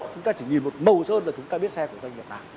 chúng ta chỉ nhìn một màu sơn là chúng ta biết xe của doanh nghiệp nào